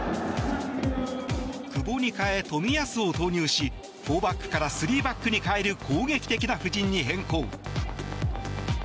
久保に代え、冨安を投入し４バックから３バックに変える攻撃的な布陣に変更。